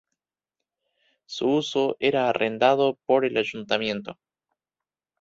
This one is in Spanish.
Su uso era arrendado por el Ayuntamiento.